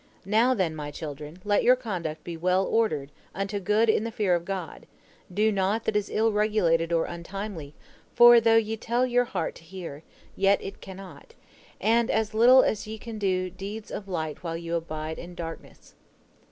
Now, then, my children, let your conduct be well ordered unto good in the fear of God, do naught that is ill regulated or untimely, for though ye tell your eye to hear, it yet cannot, and as little can ye do deeds of light while you abide in darkness."